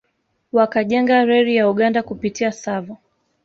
Wakajenga reli ya Uganda kupitia Tsavo